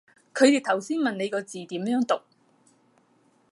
佢哋頭先問你個字點樣讀